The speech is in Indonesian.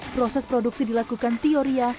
proses produksi dilakukan teoria